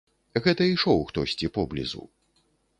Гэта ішоў хтосьці поблізу.